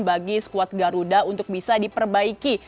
bagi squad garuda untuk bisa diperbaiki